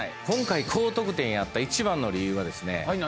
今回高得点やった一番の理由はですね